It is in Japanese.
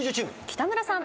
北村さん。